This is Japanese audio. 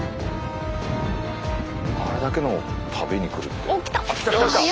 あれだけのを食べにくるって。